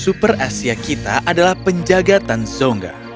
pemimpin perasia kita adalah penjaga tansonga